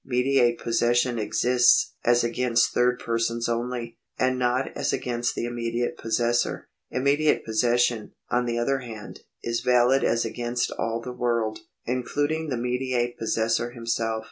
Mediate possession exists as against third persons only, and not as against the immediate possessor. Immediate possession, on the other hand, is valid as against all the world, including the mediate possessor himself.